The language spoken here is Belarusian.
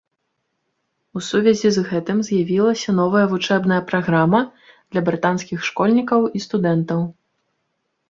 У сувязі з гэтым з'явілася новая вучэбная праграма для брытанскіх школьнікаў і студэнтаў.